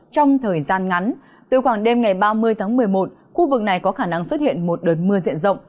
trong thời gian ngắn từ khoảng đêm ngày ba mươi tháng một mươi một khu vực này có khả năng xuất hiện một đợt mưa diện rộng